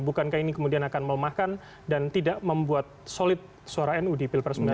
bukankah ini kemudian akan melemahkan dan tidak membuat solid suara nu di pilpres mendatang